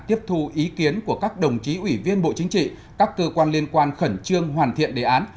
tiếp thu ý kiến của các đồng chí ủy viên bộ chính trị các cơ quan liên quan khẩn trương hoàn thiện đề án